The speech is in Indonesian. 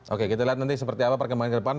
oke kita lihat nanti seperti apa perkembangan ke depan